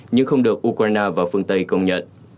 nhưng không được ukraine và phương tây công nhận